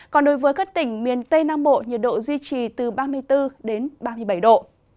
còn đối với các tỉnh miền tây nam bộ nhiệt độ duy trì từ ba mươi bốn đến ba mươi bảy độ